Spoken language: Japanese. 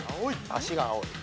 足が青い。